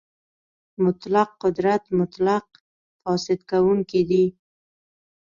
مطلق قدرت مطلق فاسد کوونکی دی.